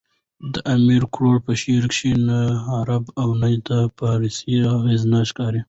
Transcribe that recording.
د امیر کروړ په شعر کښي نه عربي او نه د پاړسي اغېزې ښکاري.